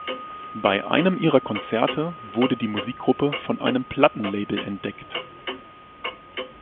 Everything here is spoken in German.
Bei einem ihrer Konzerte wurde die Musikgruppe von einem Plattenlabel entdeckt.